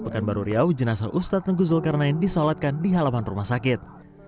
pekanbaru riau jenazah ustadz tengku zulkarnain disolatkan di halaman rumah sakit